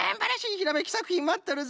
ひらめきさくひんまっとるぞ！